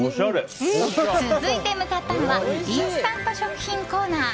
続いて向かったのはインスタント食品コーナー。